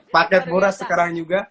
paket murah sekarang juga